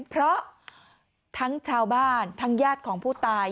เพราะทั้งชาวบ้านทั้งญาติของผู้ตาย